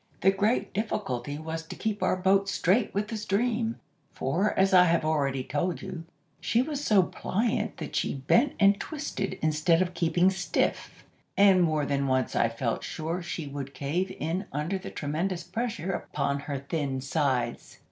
"The great difficulty was to keep our boat straight with the stream, for, as I have already told you, she was so pliant that she bent and twisted instead of keeping stiff, and more than once I felt sure she would cave in under the tremendous pressure upon her thin sides.